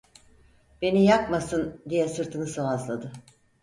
"Beni yakmasın…" diye sırtını sıvazladı.